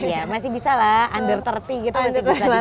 iya masih bisa lah under tiga puluh gitu masih bisa dibilang sekarang